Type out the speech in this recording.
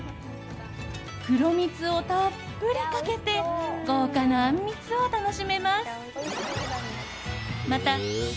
黒蜜をたっぷりかけて豪華なあんみつを楽しめます。